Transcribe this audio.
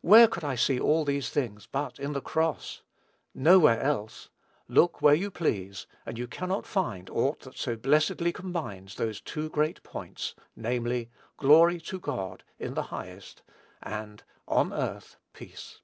Where could I see all these things but in the cross? Nowhere else. Look where you please, and you cannot find aught that so blessedly combines those two great points, namely, "glory to God in the highest," and "on earth peace."